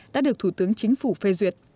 đã được thủ tướng chính phủ phê duyệt